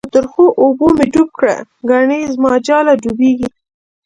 په ترخو اوبو می ډوب کړه، گڼی زماجاله ډوبیږی